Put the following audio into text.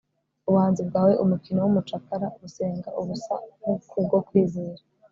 Ubuhanzi bwawe umukino wumucakara gusenga ubusa kubwo kwizera